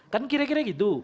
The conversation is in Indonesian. kan kira kira gitu